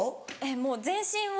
もう全身を。